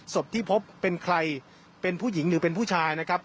ศพที่พบเป็นใครเป็นผู้หญิงหรือเป็นผู้ชายนะครับ